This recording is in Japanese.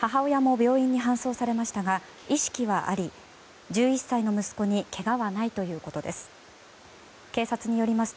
母親も病院に搬送されましたが意識はあり、１１歳の息子にけがはないということです。